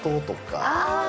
ああ！